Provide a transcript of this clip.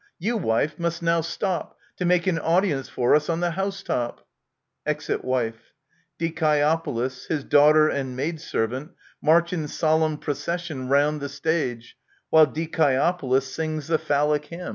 You, wife, must now stop, To make an audience for us, on the housetop. [Exit Wife. DiCiEOPOLis, his Daughter, and Maid servant march in solemn procession round the stage, while DiCiEOPOLis sings the Phallic hymn.